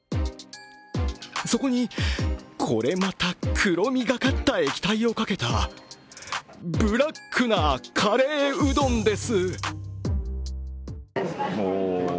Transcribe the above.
そこに、これまた黒みがかった液体をかけたブラックなカレーうどんです。